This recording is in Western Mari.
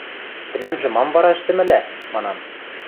– тӹнӓмжӹ мам вара ӹштӹмӹлӓ?» – манам.